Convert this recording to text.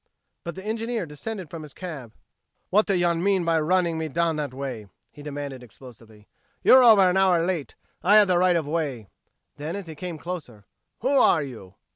But the engineer descended from his cab. "What do yon mean by running me down that way?" he demanded explosively. "You're over an hour late. I have the right of way." Then as he came closer: "Who are you?"